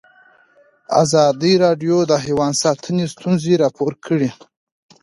ازادي راډیو د حیوان ساتنه ستونزې راپور کړي.